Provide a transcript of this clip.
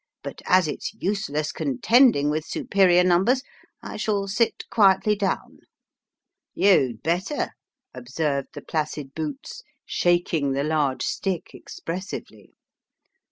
But as it's useless contending with superior numbers, I shall sit quietly down." " You'd better," observed the placid boots, shaking the large stick expressively.